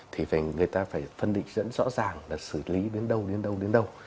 thì người ta phải phân định dẫn rõ ràng là xử lý đến đâu đến đâu đến đâu